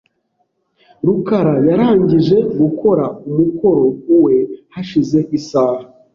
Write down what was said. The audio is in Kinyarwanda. rukara yarangije gukora umukoro we hashize isaha .